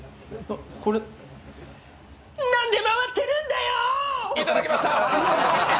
なんで回ってるんだよ。